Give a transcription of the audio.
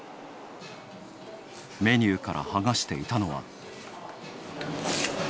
メニューから剥がしていたのは。